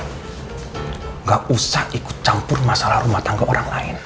tidak usah ikut campur masalah rumah tangga orang lain